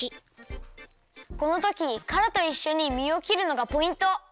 このときにからといっしょにみをきるのがポイント！